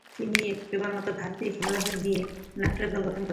তিনি কেবলমাত্র ভারতীয় খেলোয়াড় নিয়ে নাটোর দল গঠন করেন।